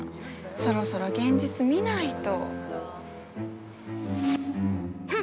そろそろ現実見ないと。